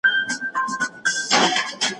واکمن قواعد د سياست لوری ټاکي.